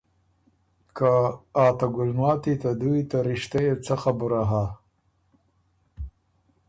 که آ ته ګلماتی ته دُوّي ته رِشتۀ يې څۀ خبُره هۀ؟